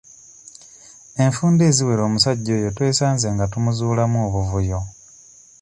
Enfunda eziwera omusajja oyo twesanze nga tumuzuulamu obuvuyo.